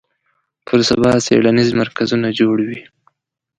پر سبا څېړنیز مرکزونه جوړ وي